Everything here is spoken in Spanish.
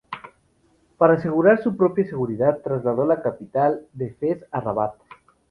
Para asegurar su propia seguridad, trasladó la capital de Fez a Rabat.